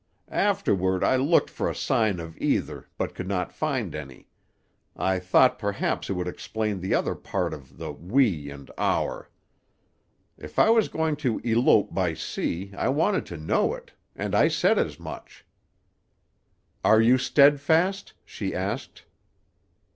(Afterward I looked for a sign of either, but could not find any. I thought perhaps it would explain the other part of the 'we' and 'our'.) If I was going to elope by sea I wanted to know it, and I said as much. "'Are you steadfast?' she asked.